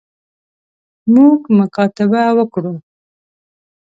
موږ مکاتبه وکړو.